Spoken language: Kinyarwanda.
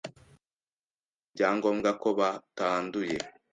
bahimbye ibyangombwa ko batanduye,